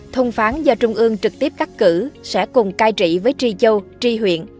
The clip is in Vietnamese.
thông phán do trung ương trực tiếp cắt cử sẽ cùng cai trị với tri châu tri huyện